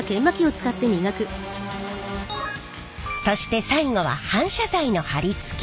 そして最後は反射材の貼り付け。